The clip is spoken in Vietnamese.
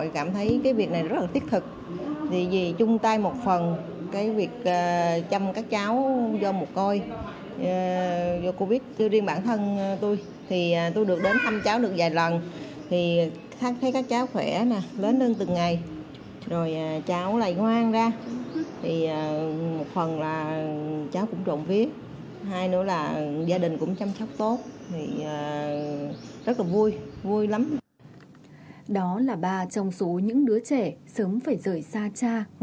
cô bé bị nhiễm bệnh cô bé bị nhiễm bệnh cô bé bị nhiễm bệnh